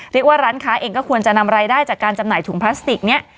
เรียกว่าร้านค้าเองก็ควรจะนำรายได้จากการจำหน่ายถุงพลาสติกนี้